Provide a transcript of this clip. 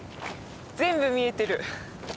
全部見えてる。